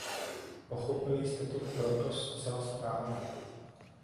Pochopili jste to proto zcela správně.